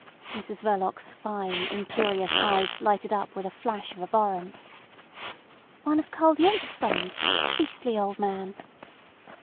Mrs Verloc's fine, incurious eyes lighted up with a flash of abhorrence. "One of Karl Yundt's friends—beastly old man."